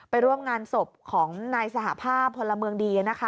ร่วมงานศพของนายสหภาพพลเมืองดีนะคะ